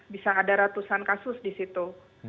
bisa ada ratusan kasus di situ